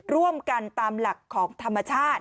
ร่วมกันตามหลักของธรรมชาติ